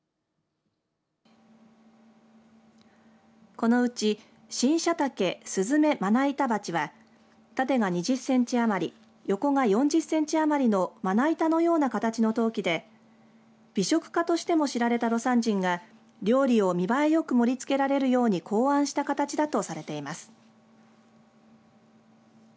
このうち辰砂竹雀俎鉢は縦が２０センチ余り横が４０センチ余りのまな板のような形の陶器で美食家としても知られた魯山人が料理を見栄え良く盛り付けられるように考案した形だとされています。